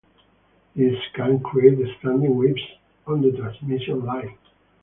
This can create standing waves on the transmission line.